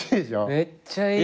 めっちゃいい。